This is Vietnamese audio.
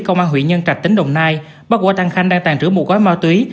công an huyện nhân trạch tỉnh đồng nai bắt qua tăng khanh đang tàn trữ một gói ma thủy